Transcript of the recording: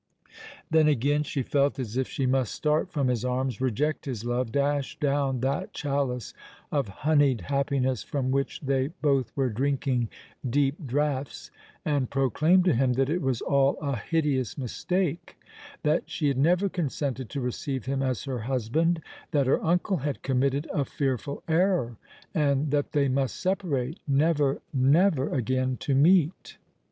Then, again, she felt as if she must start from his arms—reject his love—dash down that chalice of honied happiness from which they both were drinking deep draughts—and proclaim to him that it was all a hideous mistake—that she had never consented to receive him as her husband—that her uncle had committed a fearful error—and that they must separate, never, never again to meet!